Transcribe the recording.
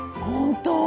ほんと！